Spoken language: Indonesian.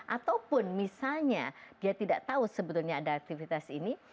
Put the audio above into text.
ataupun misalnya dia tidak tahu sebetulnya ada aktivitas ini